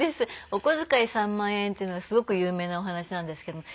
お小遣い３万円っていうのはすごく有名なお話なんですけども。